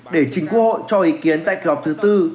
để chính quốc hội cho ý kiến tại kỳ họp thứ tư